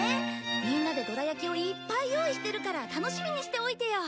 みんなでどら焼きをいっぱい用意してるから楽しみにしておいてよ。